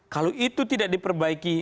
kalau itu tidak diperbaiki